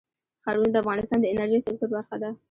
ښارونه د افغانستان د انرژۍ سکتور برخه ده.